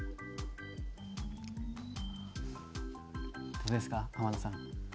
どうですか天野さん？